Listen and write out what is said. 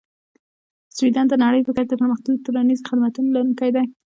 سویدن د نړۍ په کچه د پرمختللې ټولنیزې خدمتونو لرونکی دی.